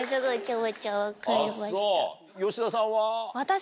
吉田さんは？